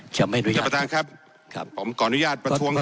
ไม่รู้ท่านประธานครับครับผมขออนุญาตประท้วง